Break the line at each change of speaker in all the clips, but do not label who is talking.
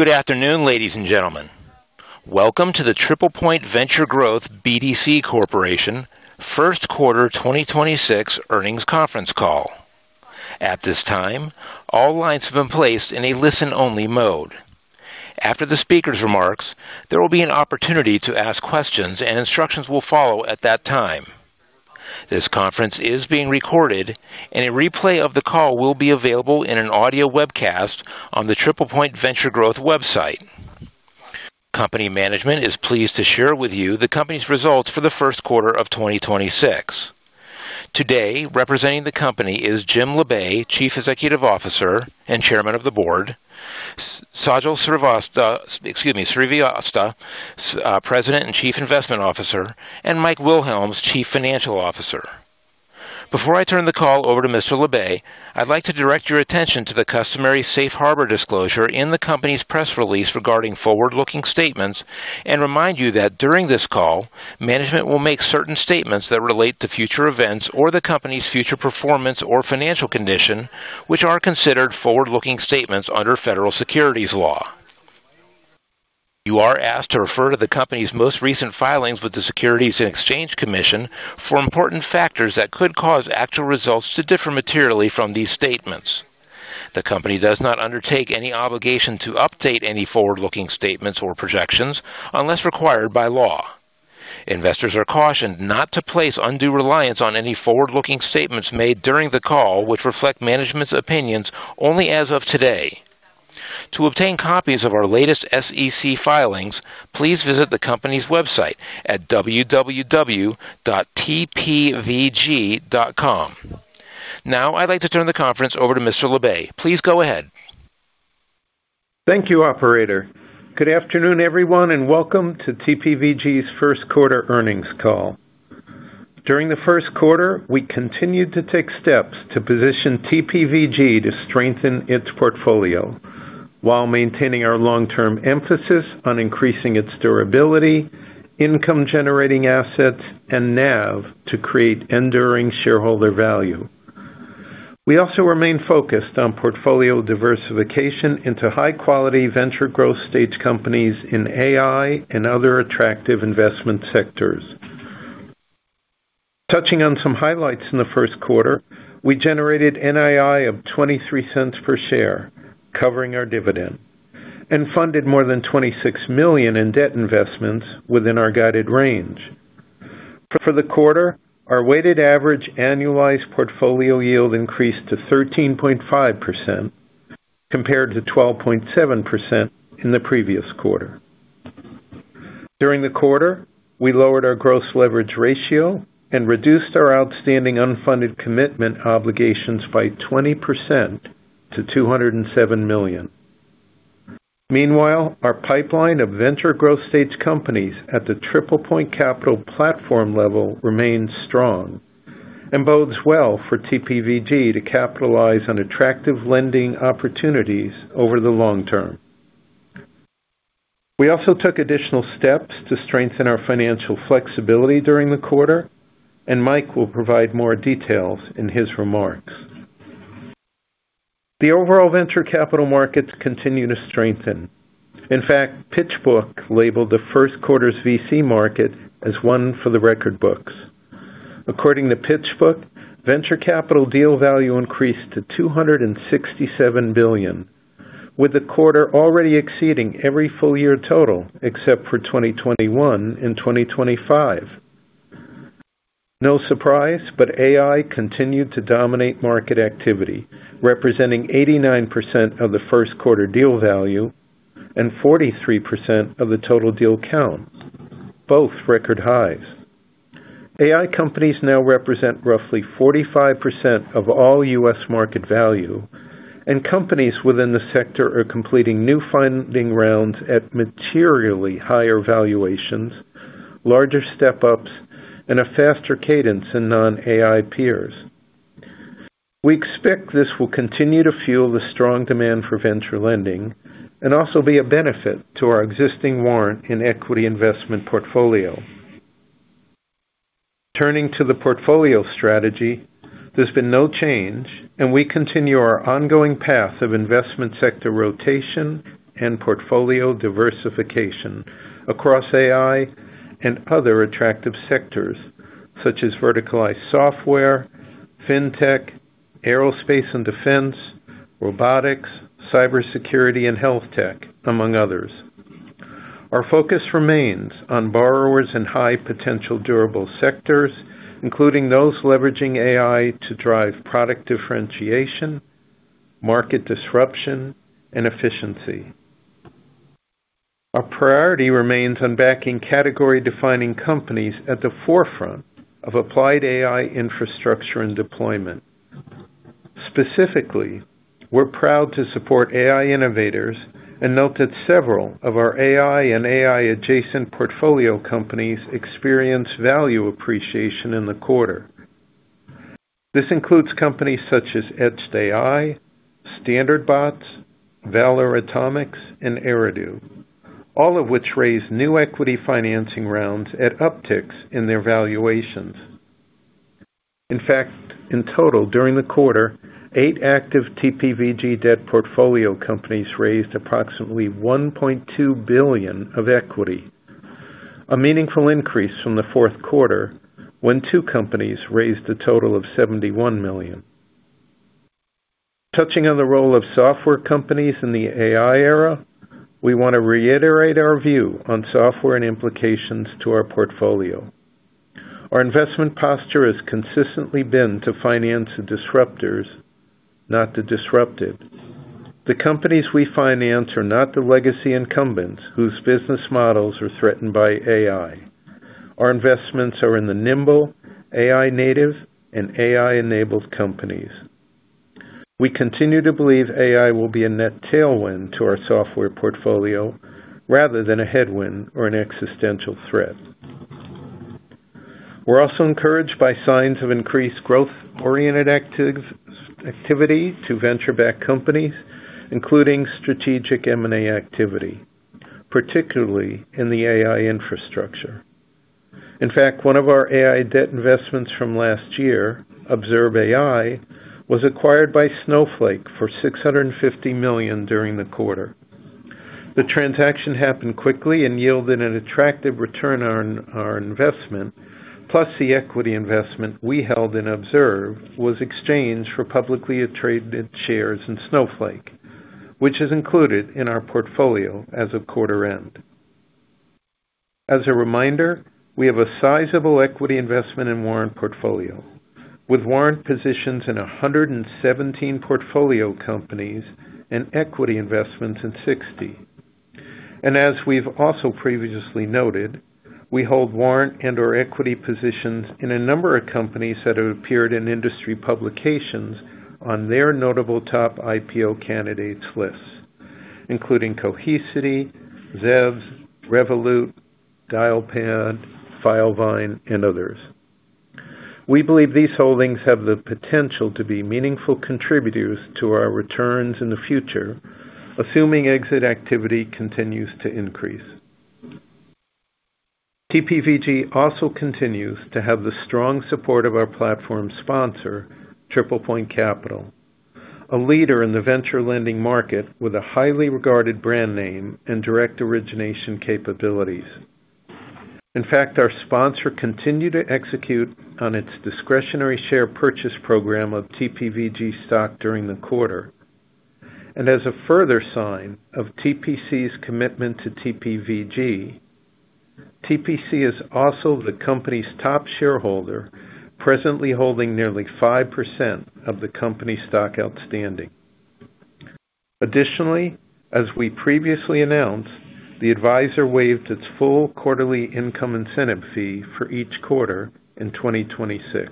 Good afternoon, ladies and gentlemen. Welcome to the TriplePoint Venture Growth BDC Corporation first quarter 2026 earnings conference call. At this time, all lines have been placed in a listen-only mode. After the speaker's remarks, there will be an opportunity to ask questions, and instructions will follow at that time. This conference is being recorded, and a replay of the call will be available in an audio webcast on the TriplePoint Venture Growth website. Company management is pleased to share with you the company's results for the first quarter of 2026. Today, representing the company is Jim Labe, Chief Executive Officer and Chairman of the Board, Sajal Srivastava, excuse me, Srivastava, President and Chief Investment Officer, and Mike Wilhelms, Chief Financial Officer. Before I turn the call over to Mr. Labe, I'd like to direct your attention to the customary safe harbor disclosure in the company's press release regarding forward-looking statements and remind you that during this call, management will make certain statements that relate to future events or the company's future performance or financial condition, which are considered forward-looking statements under federal securities law. You are asked to refer to the company's most recent filings with the Securities and Exchange Commission for important factors that could cause actual results to differ materially from these statements. The company does not undertake any obligation to update any forward-looking statements or projections unless required by law. Investors are cautioned not to place undue reliance on any forward-looking statements made during the call, which reflect management's opinions only as of today. To obtain copies of our latest SEC filings, please visit the company's website at www.tpvg.com. Now, I'd like to turn the conference over to Mr. Labe. Please go ahead.
Thank you, operator. Good afternoon, everyone, and welcome to TPVG's first quarter earnings call. During the first quarter, we continued to take steps to position TPVG to strengthen its portfolio while maintaining our long-term emphasis on increasing its durability, income-generating assets, and NAV to create enduring shareholder value. We also remain focused on portfolio diversification into high-quality venture growth stage companies in AI and other attractive investment sectors. Touching on some highlights in the first quarter, we generated NII of $0.23 per share, covering our dividend, and funded more than $26 million in debt investments within our guided range. For the quarter, our weighted average annualized portfolio yield increased to 13.5% compared to 12.7% in the previous quarter. During the quarter, we lowered our gross leverage ratio and reduced our outstanding unfunded commitment obligations by 20% to $207 million. Meanwhile, our pipeline of venture growth stage companies at the TriplePoint Capital platform level remains strong and bodes well for TPVG to capitalize on attractive lending opportunities over the long term. We also took additional steps to strengthen our financial flexibility during the quarter, and Mike will provide more details in his remarks. The overall venture capital markets continue to strengthen. In fact, PitchBook labeled the first quarter's VC market as one for the record books. According to PitchBook, venture capital deal value increased to $267 billion, with the quarter already exceeding every full year total, except for 2021 and 2025. No surprise, but AI continued to dominate market activity, representing 89% of the first quarter deal value and 43% of the total deal count, both record highs. AI companies now represent roughly 45% of all U.S. market value, and companies within the sector are completing new funding rounds at materially higher valuations, larger step-ups, and a faster cadence than non-AI peers. We expect this will continue to fuel the strong demand for venture lending and also be a benefit to our existing warrant and equity investment portfolio. Turning to the portfolio strategy, there's been no change, and we continue our ongoing path of investment sector rotation and portfolio diversification across AI and other attractive sectors such as verticalized software, fintech, aerospace and defense, robotics, cybersecurity, and health tech, among others. Our focus remains on borrowers in high-potential durable sectors, including those leveraging AI to drive product differentiation, market disruption, and efficiency. Our priority remains on backing category-defining companies at the forefront of applied AI infrastructure and deployment. Specifically, we're proud to support AI innovators and note that several of our AI and AI-adjacent portfolio companies experienced value appreciation in the quarter. This includes companies such as Etched, Standard Bots, Valar Atomics, and Eridu, all of which raised new equity financing rounds at upticks in their valuations. In total, during the quarter, eight active TPVG debt portfolio companies raised approximately $1.2 billion of equity, a meaningful increase from the fourth quarter, when two companies raised a total of $71 million. Touching on the role of software companies in the AI era, we wanna reiterate our view on software and implications to our portfolio. Our investment posture has consistently been to finance the disruptors, not the disrupted. The companies we finance are not the legacy incumbents whose business models are threatened by AI. Our investments are in the nimble AI native and AI-enabled companies. We continue to believe AI will be a net tailwind to our software portfolio rather than a headwind or an existential threat. We're also encouraged by signs of increased growth-oriented activity to venture-backed companies, including strategic M&A activity, particularly in the AI infrastructure. In fact, one of our AI debt investments from last year, Observe, was acquired by Snowflake for $650 million during the quarter. The transaction happened quickly and yielded an attractive return on our investment, plus the equity investment we held in Observe was exchanged for publicly traded shares in Snowflake, which is included in our portfolio as of quarter end. As a reminder, we have a sizable equity investment in warrant portfolio, with warrant positions in 117 portfolio companies and equity investments in 60. As we've also previously noted, we hold warrant and/or equity positions in a number of companies that have appeared in industry publications on their notable top IPO candidates lists, including Cohesity, [Zevs], Revolut, Dialpad, Filevine, and others. We believe these holdings have the potential to be meaningful contributors to our returns in the future, assuming exit activity continues to increase. TPVG also continues to have the strong support of our platform sponsor, TriplePoint Capital, a leader in the venture lending market with a highly regarded brand name and direct origination capabilities. In fact, our sponsor continued to execute on its discretionary share purchase program of TPVG stock during the quarter. As a further sign of TPC's commitment to TPVG, TPC is also the company's top shareholder, presently holding nearly 5% of the company's stock outstanding. Additionally, as we previously announced, the advisor waived its full quarterly income incentive fee for each quarter in 2026.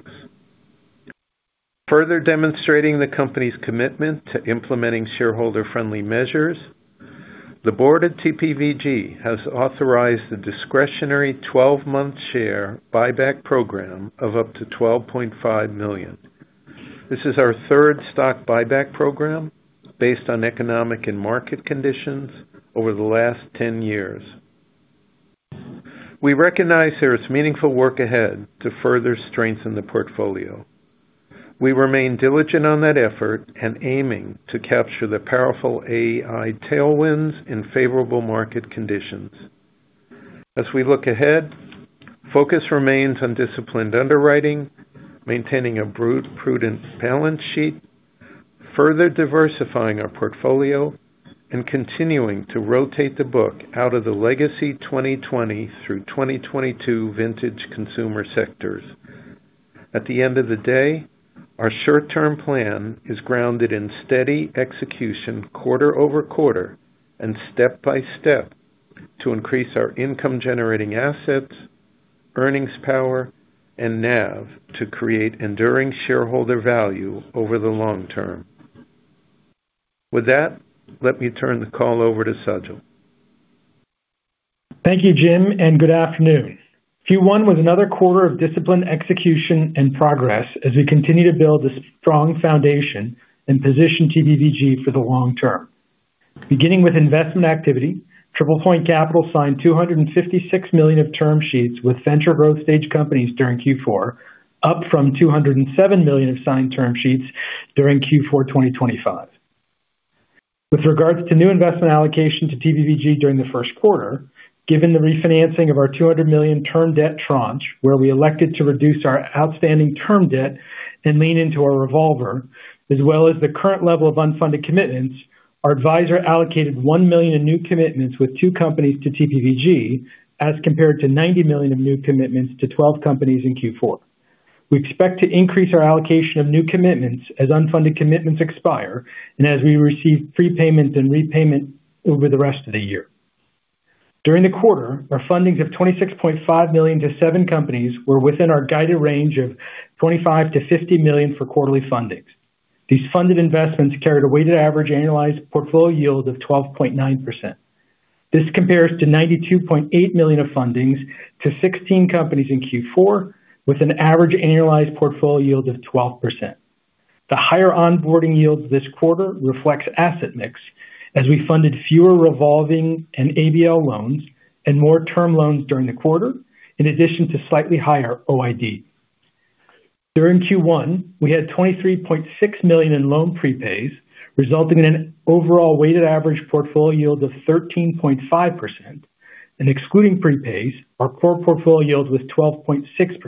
Further demonstrating the company's commitment to implementing shareholder-friendly measures, the board at TPVG has authorized a discretionary 12-month share buyback program of up to $12.5 million. This is our third stock buyback program based on economic and market conditions over the last 10 years. We recognize there is meaningful work ahead to further strengthen the portfolio. We remain diligent on that effort and aiming to capture the powerful AI tailwinds in favorable market conditions. As we look ahead, focus remains on disciplined underwriting, maintaining a prudent balance sheet, further diversifying our portfolio, and continuing to rotate the book out of the legacy 2020 through 2022 vintage consumer sectors. At the end of the day, our short-term plan is grounded in steady execution quarter-over-quarter and step by step to increase our income-generating assets, earnings power, and NAV to create enduring shareholder value over the long term. With that, let me turn the call over to Sajal.
Thank you, Jim, and good afternoon. Q1 was another quarter of disciplined execution and progress as we continue to build a strong foundation and position TPVG for the long term. Beginning with investment activity, TriplePoint Capital signed $256 million of term sheets with venture growth stage companies during Q4, up from $207 million of signed term sheets during Q4 2025. With regards to new investment allocation to TPVG during the first quarter, given the refinancing of our $200 million term debt tranche, where we elected to reduce our outstanding term debt and lean into our revolver, as well as the current level of unfunded commitments, our advisor allocated $1 million in new commitments with two companies to TPVG, as compared to $90 million of new commitments to 12 companies in Q4. We expect to increase our allocation of new commitments as unfunded commitments expire and as we receive prepayments and repayment over the rest of the year. During the quarter, our fundings of $26.5 million to seven companies were within our guided range of $25 million-$50 million for quarterly fundings. These funded investments carried a weighted average annualized portfolio yield of 12.9%. This compares to $92.8 million of fundings to 16 companies in Q4, with an average annualized portfolio yield of 12%. The higher onboarding yields this quarter reflects asset mix as we funded fewer revolving and ABL loans and more term loans during the quarter, in addition to slightly higher OID. During Q1, we had $23.6 million in loan prepays, resulting in an overall weighted average portfolio yield of 13.5%. Excluding prepays, our core portfolio yield was 12.6%.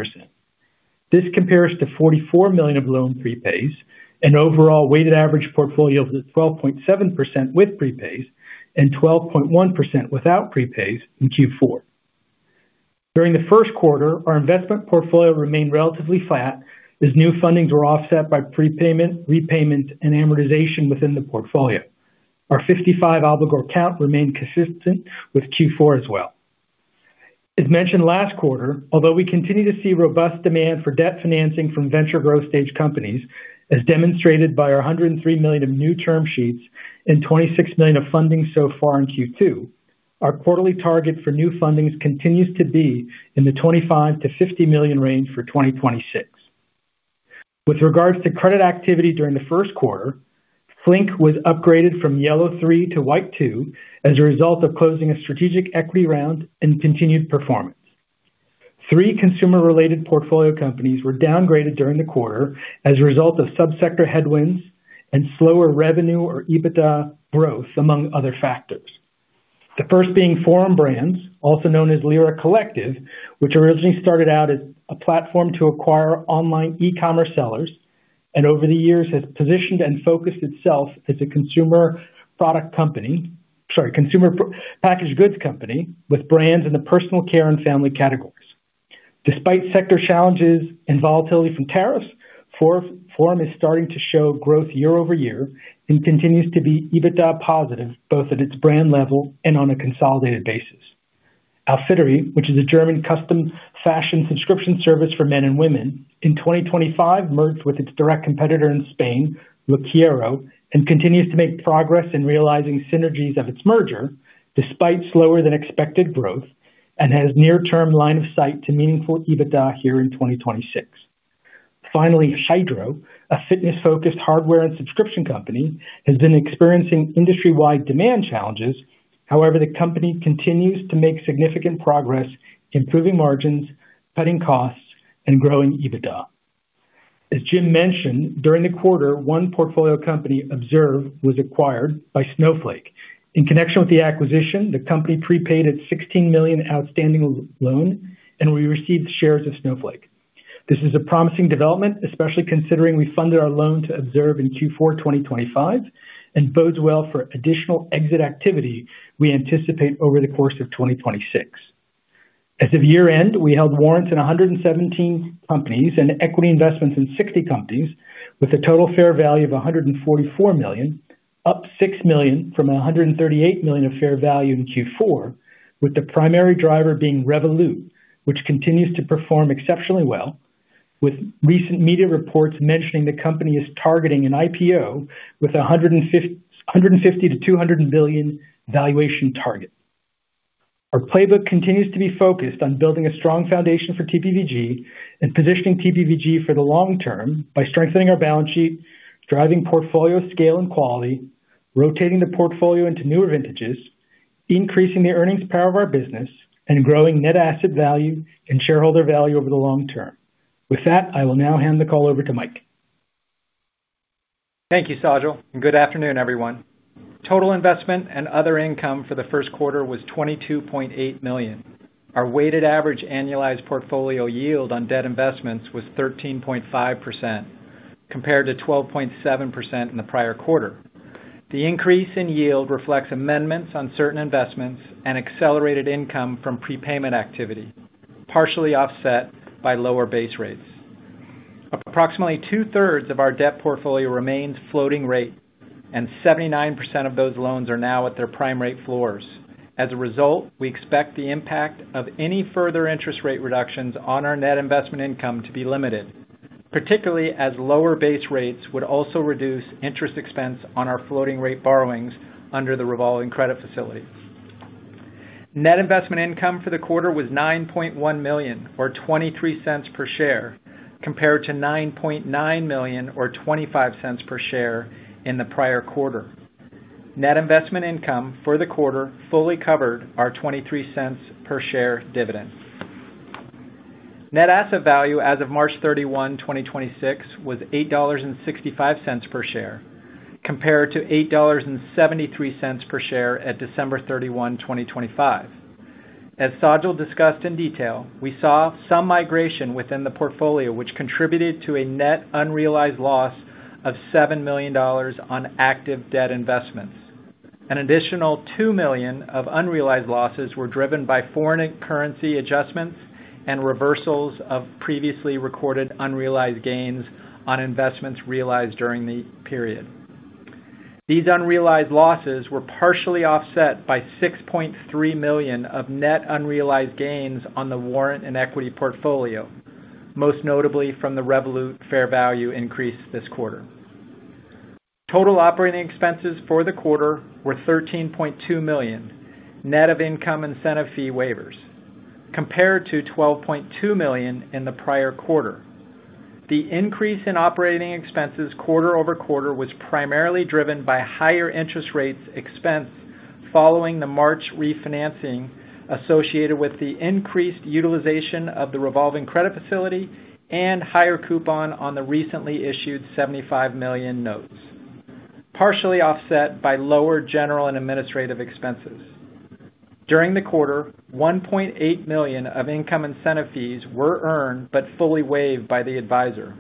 This compares to $44 million of loan prepays and overall weighted average portfolio yield of 12.7% with prepays and 12.1% without prepays in Q4. During the first quarter, our investment portfolio remained relatively flat as new fundings were offset by prepayment, repayment, and amortization within the portfolio. Our 55 obligor count remained consistent with Q4 as well. As mentioned last quarter, although we continue to see robust demand for debt financing from venture growth stage companies, as demonstrated by our $103 million of new term sheets and $26 million of funding so far in Q2, our quarterly target for new fundings continues to be in the $25 million-$50 million range for 2026. With regards to credit activity during the first quarter, Flink was upgraded from Yellow 3 to White 2 as a result of closing a strategic equity round and continued performance. Three consumer-related portfolio companies were downgraded during the quarter as a result of sub-sector headwinds and slower revenue or EBITDA growth, among other factors. The first being Forum Brands, also known as Lyra Collective, which originally started out as a platform to acquire online e-commerce sellers, and over the years has positioned and focused itself as a consumer-packaged goods company with brands in the personal care and family categories. Despite sector challenges and volatility from tariffs, Forum is starting to show growth year-over-year and continues to be EBITDA positive both at its brand level and on a consolidated basis. Outfittery, which is a German custom fashion subscription service for men and women, in 2025 merged with its direct competitor in Spain, Lookiero, and continues to make progress in realizing synergies of its merger despite slower than expected growth and has near term line of sight to meaningful EBITDA here in 2026. Finally, Hydrow, a fitness-focused hardware and subscription company, has been experiencing industry-wide demand challenges. However, the company continues to make significant progress improving margins, cutting costs, and growing EBITDA. As Jim mentioned, during the quarter, one portfolio company, Observe, was acquired by Snowflake. In connection with the acquisition, the company prepaid its $16 million outstanding loan, and we received shares of Snowflake. This is a promising development, especially considering we funded our loan to Observe in Q4 2025, and bodes well for additional exit activity we anticipate over the course of 2026. As of year-end, we held warrants in 117 companies and equity investments in 60 companies with a total fair value of $144 million, up $6 million from $138 million of fair value in Q4, with the primary driver being Revolut, which continues to perform exceptionally well, with recent media reports mentioning the company is targeting an IPO with a $150 million-$200 million valuation target. Our playbook continues to be focused on building a strong foundation for TPVG and positioning TPVG for the long term by strengthening our balance sheet, driving portfolio scale and quality, rotating the portfolio into newer vintages, increasing the earnings power of our business, and growing net asset value and shareholder value over the long term. With that, I will now hand the call over to Mike.
Thank you, Sajal, good afternoon, everyone. Total investment and other income for the first quarter was $22.8 million. Our weighted average annualized portfolio yield on debt investments was 13.5%, compared to 12.7% in the prior quarter. The increase in yield reflects amendments on certain investments and accelerated income from prepayment activity, partially offset by lower base rates. Approximately two-thirds of our debt portfolio remains floating rate, 79% of those loans are now at their prime rate floors. A result, we expect the impact of any further interest rate reductions on our net investment income to be limited, particularly as lower base rates would also reduce interest expense on our floating rate borrowings under the revolving credit facility. Net investment income for the quarter was $9.1 million or $0.23 per share, compared to $9.9 million or $0.25 per share in the prior quarter. Net investment income for the quarter fully covered our $0.23 per share dividend. Net asset value as of March 31, 2026, was $8.65 per share, compared to $8.73 per share at December 31, 2025. As Sajal discussed in detail, we saw some migration within the portfolio which contributed to a net unrealized loss of $7 million on active debt investments. An additional $2 million of unrealized losses were driven by foreign currency adjustments and reversals of previously recorded unrealized gains on investments realized during the period. These unrealized losses were partially offset by $6.3 million of net unrealized gains on the warrant and equity portfolio, most notably from the Revolut fair value increase this quarter. Total operating expenses for the quarter were $13.2 million, net of income incentive fee waivers, compared to $12.2 million in the prior quarter. The increase in operating expenses quarter-over-quarter was primarily driven by higher interest rates expense following the March refinancing associated with the increased utilization of the revolving credit facility and higher coupon on the recently issued $75 million notes, partially offset by lower general and administrative expenses. During the quarter, $1.8 million of income incentive fees were earned but fully waived by the advisor.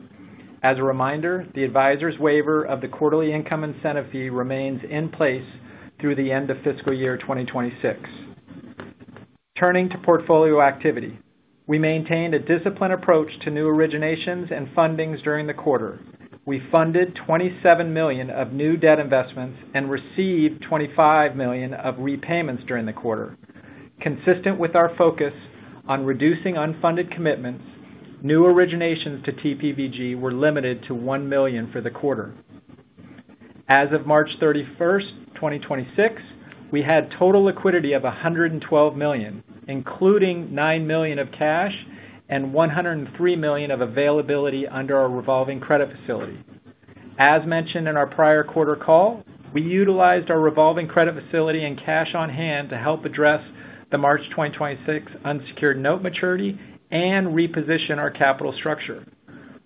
As a reminder, the advisor's waiver of the quarterly income incentive fee remains in place through the end of fiscal year 2026. Turning to portfolio activity. We maintained a disciplined approach to new originations and fundings during the quarter. We funded $27 million of new debt investments and received $25 million of repayments during the quarter. Consistent with our focus on reducing unfunded commitments, new originations to TPVG were limited to $1 million for the quarter. As of March 31st, 2026, we had total liquidity of $112 million, including $9 million of cash and $103 million of availability under our revolving credit facility. As mentioned in our prior quarter call, we utilized our revolving credit facility and cash on hand to help address the March 2026 unsecured note maturity and reposition our capital structure.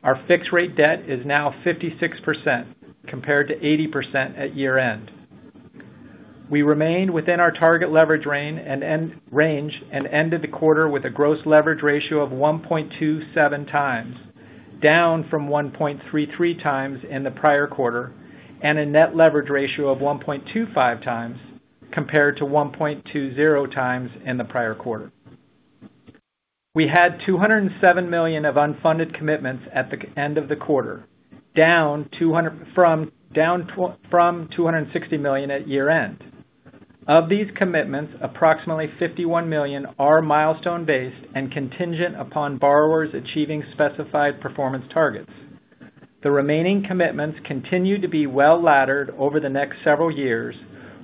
Our fixed rate debt is now 56% compared to 80% at year-end. We remain within our target leverage range and ended the quarter with a gross leverage ratio of 1.27x, down from 1.33x in the prior quarter, and a net leverage ratio of 1.25x compared to 1.20x in the prior quarter. We had $207 million of unfunded commitments at the end of the quarter, down from $260 million at year-end. Of these commitments, approximately $51 million are milestone-based and contingent upon borrowers achieving specified performance targets. The remaining commitments continue to be well-laddered over the next several years,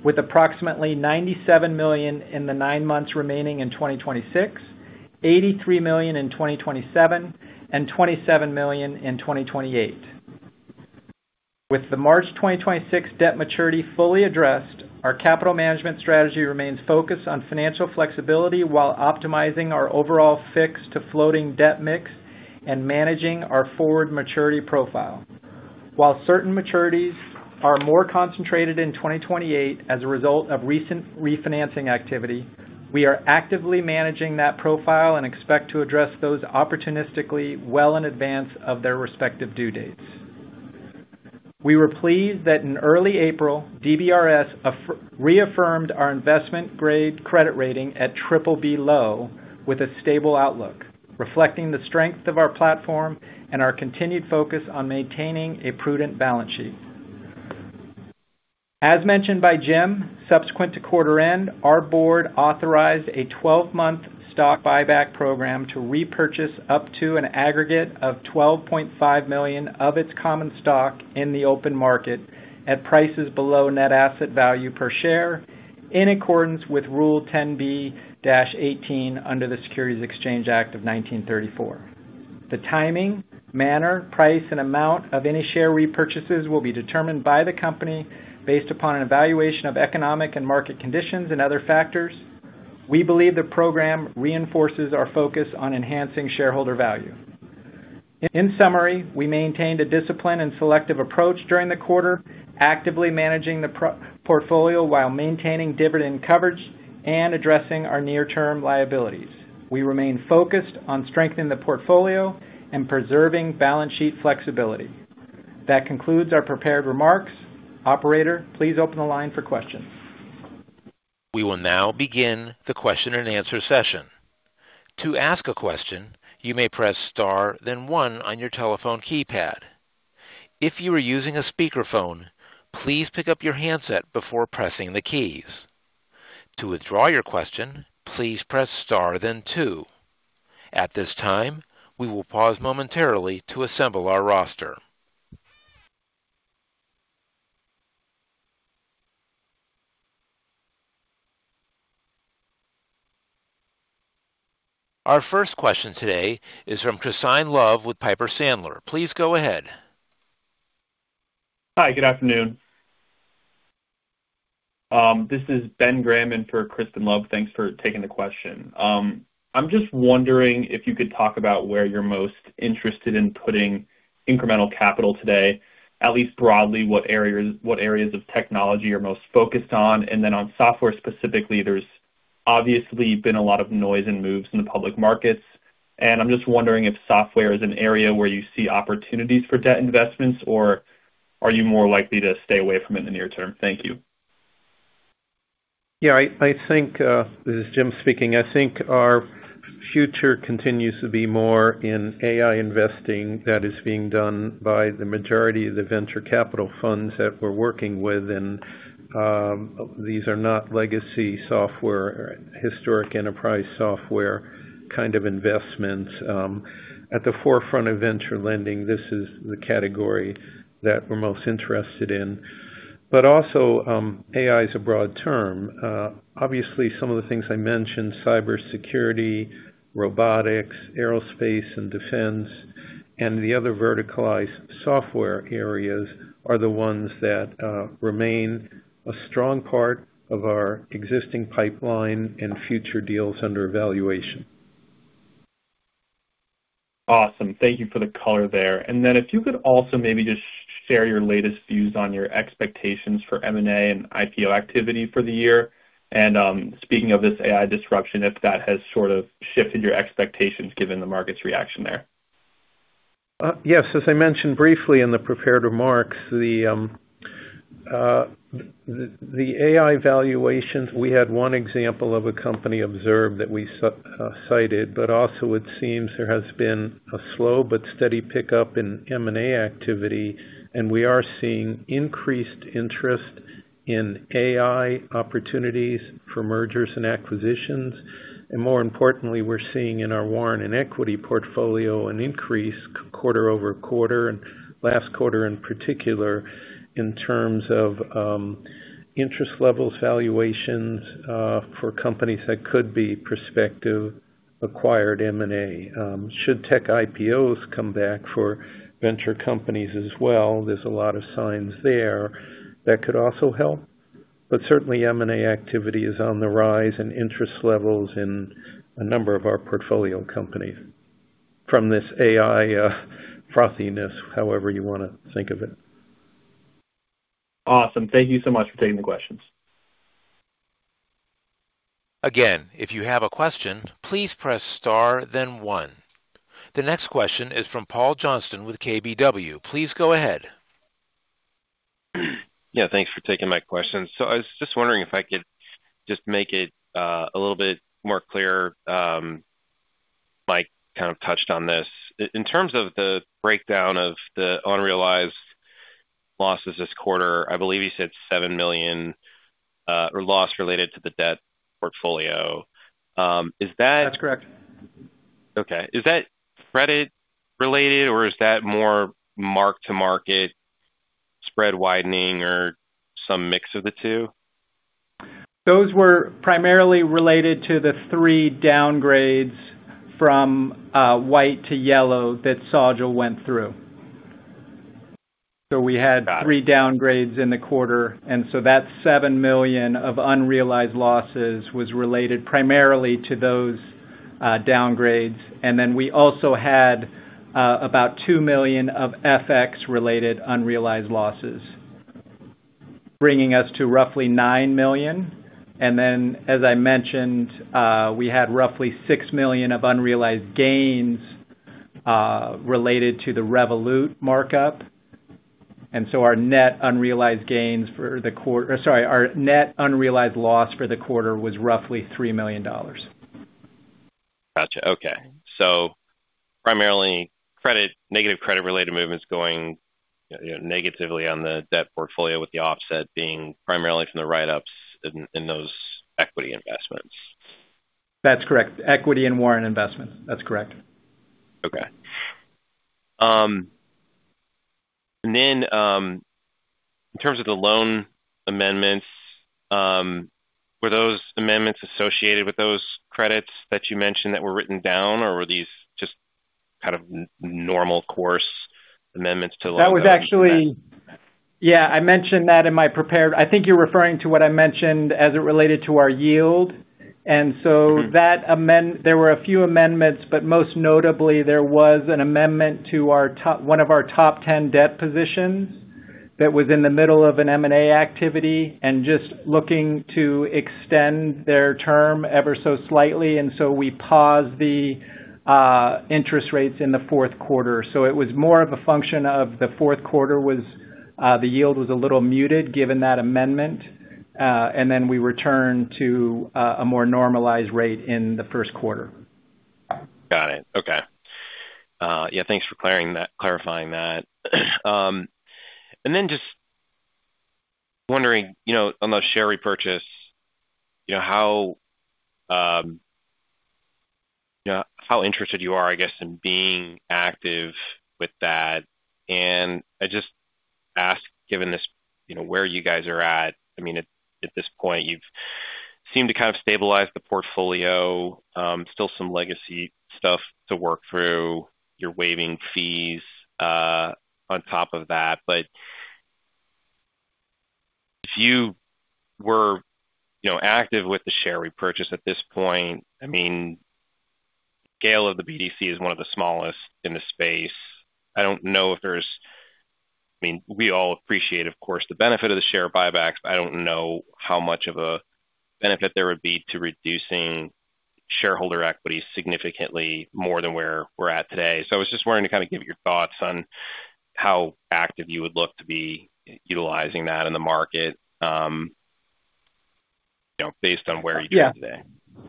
with approximately $97 million in the nine months remaining in 2026, $83 million in 2027, and $27 million in 2028. With the March 2026 debt maturity fully addressed, our capital management strategy remains focused on financial flexibility while optimizing our overall fixed to floating debt mix and managing our forward maturity profile. While certain maturities are more concentrated in 2028 as a result of recent refinancing activity, we are actively managing that profile and expect to address those opportunistically well in advance of their respective due dates. We were pleased that in early April, DBRS reaffirmed our investment-grade credit rating at BBB (low) with a stable outlook, reflecting the strength of our platform and our continued focus on maintaining a prudent balance sheet. As mentioned by Jim, subsequent to quarter end, our board authorized a 12-month stock buyback program to repurchase up to an aggregate of $12.5 million of its common stock in the open market at prices below net asset value per share in accordance with Rule 10b-18 under the Securities Exchange Act of 1934. The timing, manner, price, and amount of any share repurchases will be determined by the company based upon an evaluation of economic and market conditions and other factors. We believe the program reinforces our focus on enhancing shareholder value. In summary, we maintained a disciplined and selective approach during the quarter, actively managing the portfolio while maintaining dividend coverage and addressing our near-term liabilities. We remain focused on strengthening the portfolio and preserving balance sheet flexibility. That concludes our prepared remarks. Operator, please open the line for questions.
We will now begin the Question-and-Answer session. To ask a question you may press star then one on your telephone keypad. If you're using a speakerphone, please pick up your handset before pressing the keys. To withdraw your question, please press star then two. At this time, we will pause momentarily to assemble our roster. Our first question today is from Crispin Love with Piper Sandler. Please go ahead.
Hi. Good afternoon. This is Ben Graham in for Crispin Love. Thanks for taking the question. I'm just wondering if you could talk about where you're most interested in putting incremental capital today, at least broadly, what areas of technology you're most focused on. Then on software specifically, there's obviously been a lot of noise and moves in the public markets, I'm just wondering if software is an area where you see opportunities for debt investments or are you more likely to stay away from it in the near term? Thank you.
I think, this is Jim speaking. I think our future continues to be more in AI investing that is being done by the majority of the venture capital funds that we're working with. These are not legacy software or historic enterprise software kind of investments. At the forefront of venture lending, this is the category that we're most interested in. Also, AI is a broad term. Obviously, some of the things I mentioned, cybersecurity, robotics, aerospace and defense, and the other verticalized software areas are the ones that remain a strong part of our existing pipeline and future deals under evaluation.
Awesome. Thank you for the color there. Then if you could also maybe just share your latest views on your expectations for M&A and IPO activity for the year and, speaking of this AI disruption, if that has sort of shifted your expectations given the market's reaction there.
Yes. As I mentioned briefly in the prepared remarks, the AI valuations, we had one example of a company Observe that we cited. Also, it seems there has been a slow but steady pickup in M&A activity. We are seeing increased interest in AI opportunities for mergers and acquisitions. More importantly, we're seeing in our warrant and equity portfolio an increase quarter over quarter, and last quarter in particular, in terms of interest level valuations for companies that could be prospective acquired M&A. Should tech IPOs come back for venture companies as well, there's a lot of signs there that could also help. Certainly M&A activity is on the rise and interest levels in a number of our portfolio companies from this AI frothiness, however you wanna think of it.
Awesome. Thank you so much for taking the questions.
If you have a question, please press star then one. The next question is from Paul Johnson with KBW. Please go ahead.
Yeah, thanks for taking my question. I was just wondering if I could just make it a little bit more clear. Mike kind of touched on this. In terms of the breakdown of the unrealized losses this quarter, I believe you said $7 million, or loss related to the debt portfolio. Is that?
That's correct.
Okay. Is that credit related or is that more mark-to-market spread widening or some mix of the two?
Those were primarily related to the three downgrades from white to yellow that Sajal went through.
Got it.
Three downgrades in the quarter. That $7 million of unrealized losses was related primarily to those downgrades. Then we also had about $2 million of FX-related unrealized losses, bringing us to roughly $9 million. Then as I mentioned, we had roughly $6 million of unrealized gains related to the Revolut markup. Our net unrealized gains for the quarter, or sorry, our net unrealized loss for the quarter was roughly $3 million.
Gotcha. Okay. Primarily credit, negative credit-related movements going, you know, negatively on the debt portfolio with the offset being primarily from the write-ups in those equity investments.
That's correct. Equity and warrant investment. That's correct.
Okay. In terms of the loan amendments, were those amendments associated with those credits that you mentioned that were written down, or were these just kind of normal course amendments?
That was actually Yeah, I mentioned that in my prepared. I think you're referring to what I mentioned as it related to our yield. There were a few amendments, but most notably there was an amendment to our top, one of our top 10 debt positions that was in the middle of an M&A activity and just looking to extend their term ever so slightly. We paused the interest rates in the fourth quarter. It was more of a function of the fourth quarter was, the yield was a little muted given that amendment. We returned to a more normalized rate in the first quarter.
Got it. Okay. Yeah, thanks for clarifying that. And then just wondering, you know, on the share repurchase, you know, how, you know, how interested you are, I guess, in being active with that. And I just ask given this, you know, where you guys are at. I mean, at this point you've seemed to kind of stabilize the portfolio. Still some legacy stuff to work through. You're waiving fees on top of that. If you were, you know, active with the share repurchase at this point, I mean, scale of the BDC is one of the smallest in the space. I mean, we all appreciate, of course, the benefit of the share buybacks. I don't know how much of a benefit there would be to reducing shareholder equity significantly more than where we're at today. I was just wondering, kinda give your thoughts on how active you would look to be utilizing that in the market, you know, based on where you stand today.
Yeah.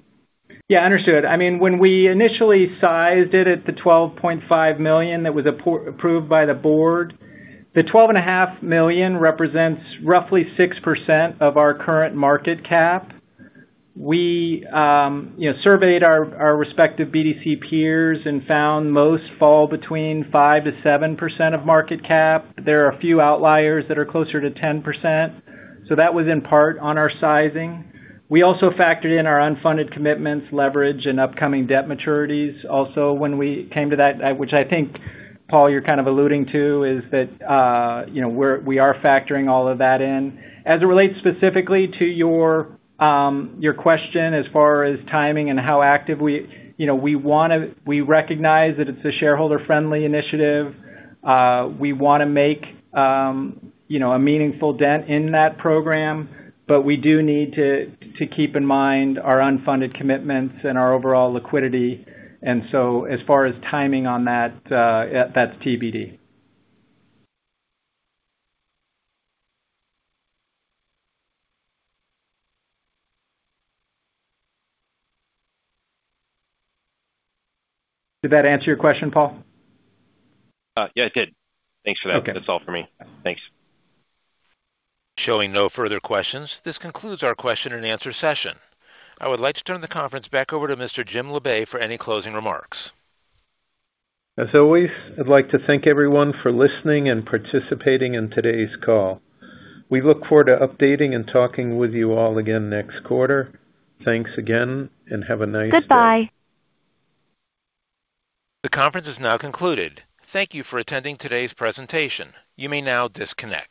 Yeah, understood. I mean, when we initially sized it at the $12.5 million that was approved by the board, the twelve and a half million represents roughly 6% of our current market cap. We, you know, surveyed our respective BDC peers and found most fall between 5%-7% of market cap. There are a few outliers that are closer to 10%. That was in part on our sizing. We also factored in our unfunded commitments, leverage, and upcoming debt maturities also when we came to that, which I think, Paul Johnson, you're kind of alluding to, is that, you know, we are factoring all of that in. As it relates specifically to your question as far as timing and how active we, you know, we recognize that it's a shareholder-friendly initiative. We want to make, you know, a meaningful dent in that program, but we do need to keep in mind our unfunded commitments and our overall liquidity. As far as timing on that, yeah, that's TBD. Did that answer your question, Paul?
Yeah, it did. Thanks for that.
Okay.
That's all for me. Thanks.
Showing no further questions, this concludes our Question-and-Answer session. I would like to turn the conference back over to Mr. Jim Labe for any closing remarks.
As always, I'd like to thank everyone for listening and participating in today's call. We look forward to updating and talking with you all again next quarter. Thanks again and have a nice day.
Goodbye.
The conference is now concluded. Thank you for attending today's presentation. You may now disconnect.